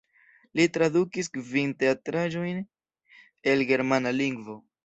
Li tradukis kvin teatraĵojn el germana lingvo.